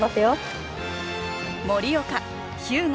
盛岡日向